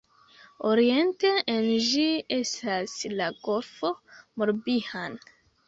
Oriente en ĝi estas la Golfo Morbihan.